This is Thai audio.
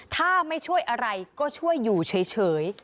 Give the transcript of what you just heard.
ถ้าไม่ช่วยอะไรก็ช่วยอยู่เฉย